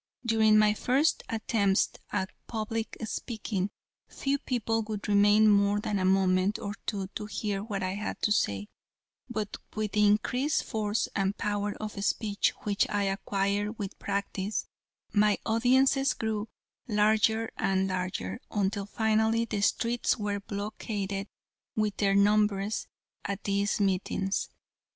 During my first attempts at public speaking, few people would remain more than a moment or two to hear what I had to say, but with the increased force and power of speech, which I acquired with practice, my audiences grew larger and larger, until finally the streets were blockaded with their numbers at these meetings.